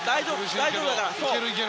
大丈夫だから。